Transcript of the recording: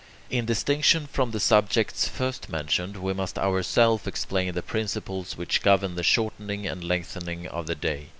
In distinction from the subjects first mentioned, we must ourselves explain the principles which govern the shortening and lengthening of the day.